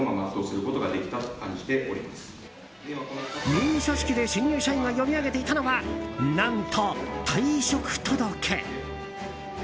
入社式で新入社員が読み上げていたのは何と、退職届。